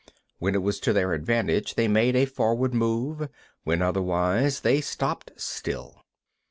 17. When it was to their advantage, they made a forward move; when otherwise, they stopped still.